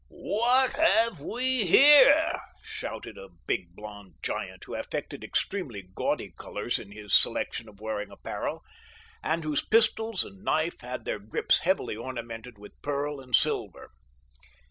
"Who have we here?" shouted a big blond giant, who affected extremely gaudy colors in his selection of wearing apparel, and whose pistols and knife had their grips heavily ornamented with pearl and silver.